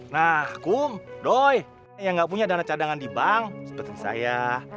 nah kum doy yang gak punya dana cadangan di bank seperti saya